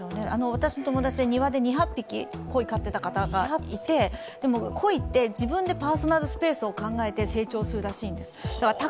私の友達で庭で２００匹鯉を飼っていた方がいて鯉って自分でパーソナルスペースを考えて成長するらしいんです。